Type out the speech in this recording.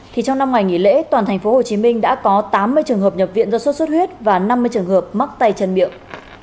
thì trong năm ngày nghỉ lễ toàn tp hcm đã có tám mươi trường hợp nhập viện do sốt xuất huyết và năm mươi trường hợp mắc tay chân miệng